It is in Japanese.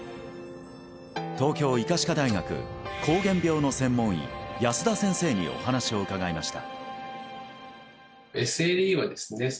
東京医科歯科大学膠原病の専門医保田先生にお話を伺いました